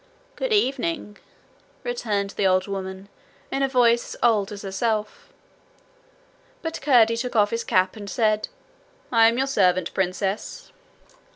'Good evening!' returned the old woman, in a voice as old as herself. But Curdie took off his cap and said: 'I am your servant, Princess.'